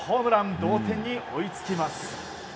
同点に追いつきます。